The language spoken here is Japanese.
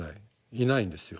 いないんですよ。